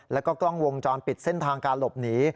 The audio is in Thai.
แล้วก็กล้องวงจรปิดเส้นทางการหลบหนี